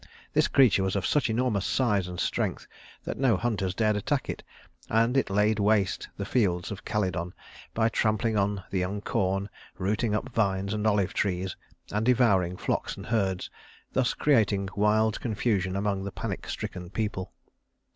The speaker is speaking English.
This creature was of such enormous size and strength that no hunters dared attack it, and it laid waste the fields of Calydon by trampling on the young corn, rooting up vines and olive trees, and devouring flocks and herds, thus creating wild confusion among the panic stricken people.